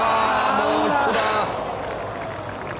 もう一歩だ！